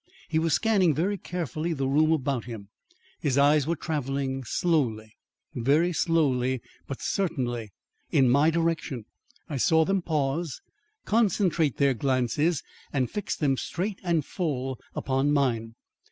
He was scanning very carefully the room about him. His eyes were travelling slowly very slowly but certainly, in my direction. I saw them pause concentrate their glances and fix them straight and full upon mine.